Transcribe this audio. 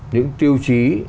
những tiêu chí